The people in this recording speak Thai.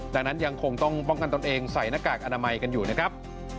ดังนั้นยังคงต้องป้องกันตนเองใส่หน้ากากอนามัยกันอยู่นะครับ